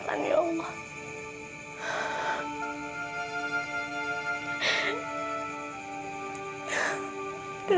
dan aku juga berharap